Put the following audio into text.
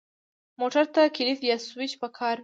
موټر ته کلید یا سوئچ پکار وي.